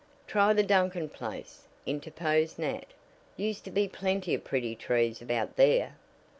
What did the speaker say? "Try the Duncan place," interposed Nat. "Used to be plenty of pretty trees about there."